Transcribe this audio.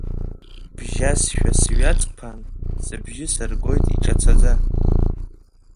Бжьасшәа сҩаҵԥан, сыбжьы сыргоит иҿацаӡа…